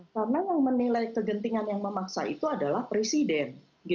karena yang menilai kegentingan yang memaksa itu adalah presiden